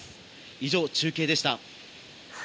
以上、中継でした。